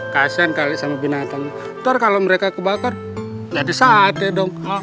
kasian kali sama binatang ntar kalau mereka kebakar jadi sate dong